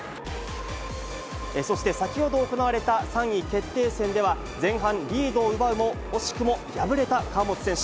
そして先ほど行われた３位決定戦では、前半リードを奪うも、惜しくも敗れた川本選手。